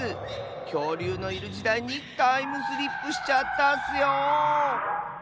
きょうりゅうのいるじだいにタイムスリップしちゃったッスよ。